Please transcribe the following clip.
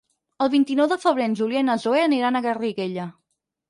El vint-i-nou de febrer en Julià i na Zoè aniran a Garriguella.